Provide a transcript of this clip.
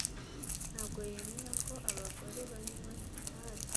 Ntabwo yemera ko abagore banywa itabi